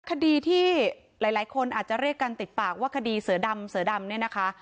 คดีที่หลายคนอาจจะเรียกกันติดปากว่าคดีเสือดำ